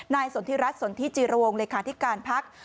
สนทิรัฐสนทิจิรวงเลขาธิการพัก